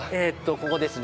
ここですね。